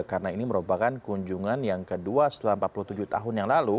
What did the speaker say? karena ini merupakan kunjungan yang kedua setelah empat puluh tujuh tahun yang lalu